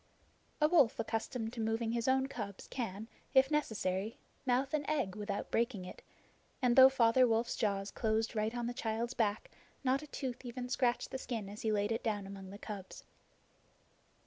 A Wolf accustomed to moving his own cubs can, if necessary, mouth an egg without breaking it, and though Father Wolf's jaws closed right on the child's back not a tooth even scratched the skin as he laid it down among the cubs.